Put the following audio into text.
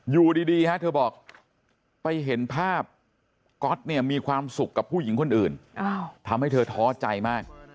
อยู่ดีฮะเธอบอกไปเห็นภาพก๊อตเนี่ยมีความสุขกับผู้หญิงคนอื่นทำให้เธอท้อใจมาก